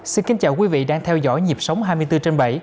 xin kính chào quý vị đang theo dõi nhịp sống hai mươi bốn trên bảy